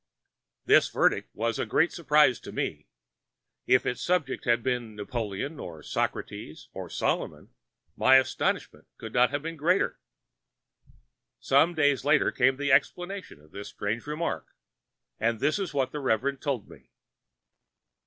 This verdict was a great surprise to me. If its subject had been Napoleon, or Socrates, or Solomon, my astonishment could not have been greater. Some days later came the explanation of this strange remark, and this is what the Reverend told me.